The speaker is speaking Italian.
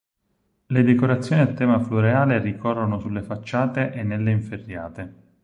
Le decorazioni a tema floreale ricorrono sulle facciate e nelle inferriate.